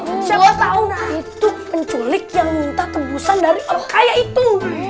oh siapa tau itu penculik yang minta tebusan dari orang kaya itu